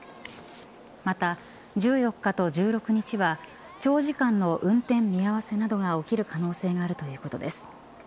また１４日と１６日は長時間の運転見合わせなどが起きる可能性があるということです。